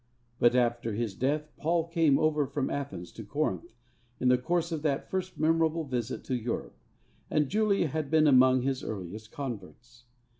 But after his death Paul came over from Athens to Corinth in the course of that first memorable visit to Europe, and Julia had been among his earliest converts.